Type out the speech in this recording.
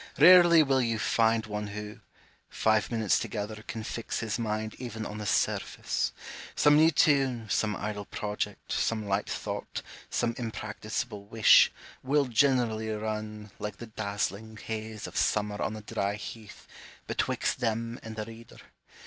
Rarely will you find one who, five minutes together, can fix his mind even on the surface : some new tune, some idle pi'oject, some light thought, some impracticable wish, will generally run, like the dazzling haze of summer on the dry heath, betwixt them and the reader.